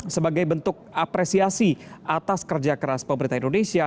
sebagai bentuk apresiasi atas kerja keras pemerintah indonesia